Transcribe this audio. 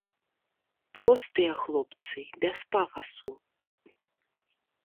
Простыя хлопцы, без пафасу.